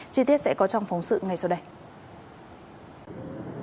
chi tiết sẽ có trong phóng sự ngay sau đây